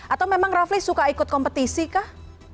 atau memang rafli suka ikut kompetisi kah